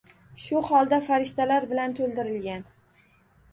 Shu holda farishtalar bilan to‘ldirilgan.